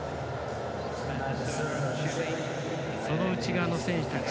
その内側の選手たち。